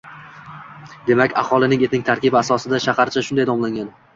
Demak, aholining etnik tarkibi asosida shaharcha shunday nomlangan.